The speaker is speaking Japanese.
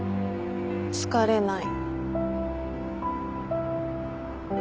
疲れない。